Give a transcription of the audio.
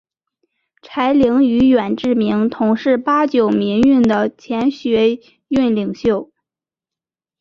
柴玲与远志明同是八九民运的前学运领袖。